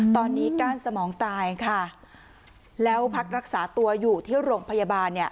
ตอนนี้ก้านสมองตายค่ะแล้วพักรักษาตัวอยู่ที่โรงพยาบาลเนี่ย